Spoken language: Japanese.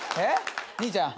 兄ちゃん